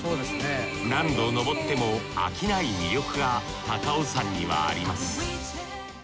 何度登っても飽きない魅力が高尾山にはあります